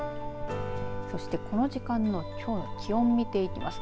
そして、この時間のきょうの気温、見ていきます。